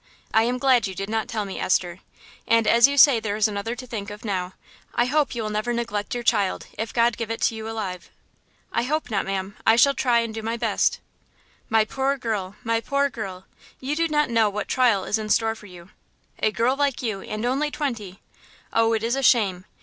...I am glad you did not tell me, Esther; and as you say there is another to think of now, I hope you will never neglect your child, if God give it to you alive." "I hope not, ma'am; I shall try and do my best." "My poor girl! my poor girl! you do not know what trial is in store for you. A girl like you, and only twenty! ...Oh, it is a shame!